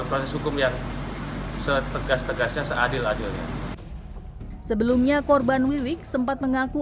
proses hukum yang setegas tegasnya seadil adilnya sebelumnya korban wiwik sempat mengaku